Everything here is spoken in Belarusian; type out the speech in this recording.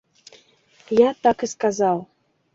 Я так і сказаў.